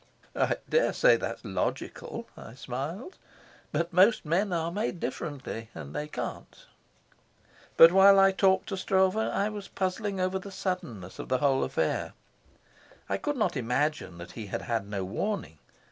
"I dare say that's logical," I smiled, "but most men are made differently, and they can't." But while I talked to Stroeve I was puzzling over the suddenness of the whole affair. I could not imagine that he had had no warning.